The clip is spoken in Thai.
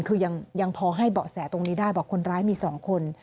คือยังพอให้บอกแสะตรงนี้ได้ว่ากินคนร้ายมี๒คน